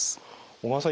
小川さん